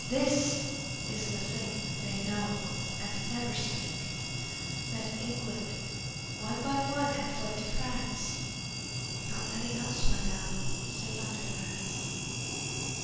This is the thing they know and never speak, That England one by one had fled to France (Not many elsewhere now save under France).